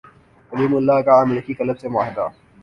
کلیم اللہ کا امریکی کلب سے معاہدہ